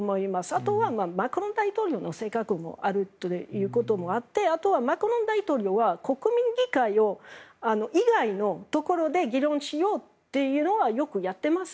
あとは、マクロン大統領の性格もあるということもあってあとはマクロン大統領は国民議会以外のところで議論しようというのはよくやってます。